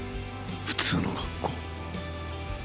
普通の学校。